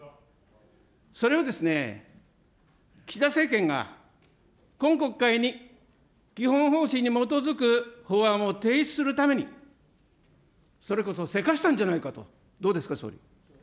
それを岸田政権が、今国会に基本方針に基づく法案を提出するために、それこそせかしたんじゃないかと、どうですか、総理。